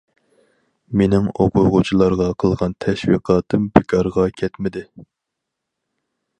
مېنىڭ ئوقۇغۇچىلارغا قىلغان تەشۋىقاتىم بىكارغا كەتمىدى.